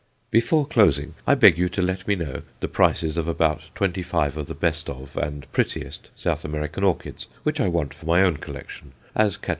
Before closing, I beg you to let me know the prices of about twenty five of the best of and prettiest South American orchids, which I want for my own collection, as _Catt.